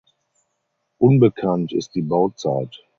Unbekannt ist die Bauzeit.